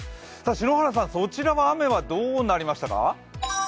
篠原さん、そちらは雨はどうなりましたか？